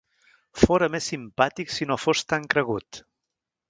Fora més simpàtic si no fos tan cregut.